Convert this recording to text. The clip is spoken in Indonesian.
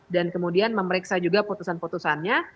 dan kemudian memeriksa juga putusan putusannya